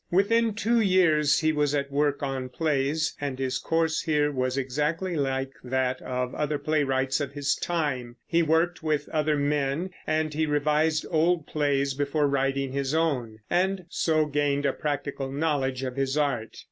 Within two years he was at work on plays, and his course here was exactly like that of other playwrights of his time. He worked with other men, and he revised old plays before writing his own, and so gained a practical knowledge of his art.